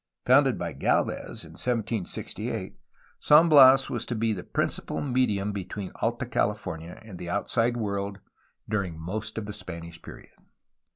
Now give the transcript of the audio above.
Founded by Gdlvez in 1768, San Bias was to be the principal medium between Alta California and the outside world during most of the Spanish period.